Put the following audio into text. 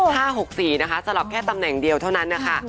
๕๖๔นะคะก็ละแค่ตำแหน่งเดียวเท่านั้นค่ะ